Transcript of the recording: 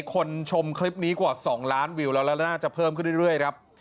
คนชมคลิปนี้กว่า๒ล้านวิวแล้วแล้วน่าจะเพิ่มขึ้นเรื่อยครับ